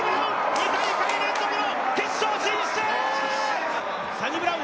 ２大会連続の決勝進出。